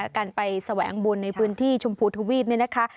การไปแสวงบุญในพื้นที่ชมพูทวีปนี่นะคะ